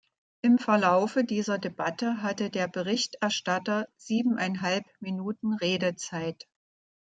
Im Verlaufe dieser Debatte hatte der Berichterstatter siebeneinhalb Minuten Redezeit.